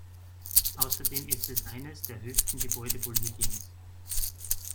Außerdem ist es eines der höchsten Gebäude Boliviens.